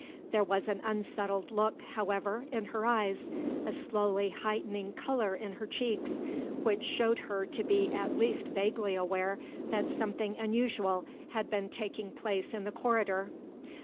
There was an unsettled look, however, in her eyes, a slowly heightening color in her cheeks, which showed her to be at least vaguely aware that something unusual had been taking place in the corridor.